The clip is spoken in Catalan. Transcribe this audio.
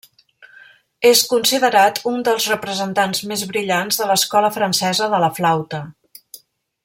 És considerat un dels representants més brillants de l'Escola francesa de la flauta.